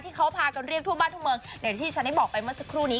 ที่เขาพากันเรียกทั่วบ้านทั่วเมืองอย่างที่ฉันได้บอกไปเมื่อสักครู่นี้